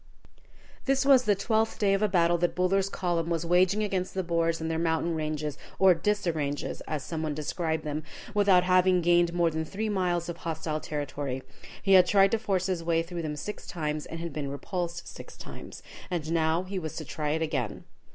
This was the twelfth day of a battle that Buller's column was waging against the Boers and their mountain ranges, or "disarranges," as some one described them, without having gained more than three miles of hostile territory. He had tried to force his way through them six times, and had been repulsed six times. And now he was to try it again.